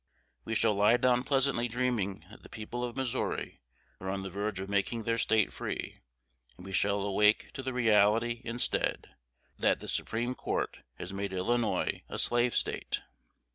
We shall lie down pleasantly dreaming that the people of Missouri are on the verge of making their State free; and we shall awake to the reality, instead, that the Supreme Court has made Illinois a Slave State.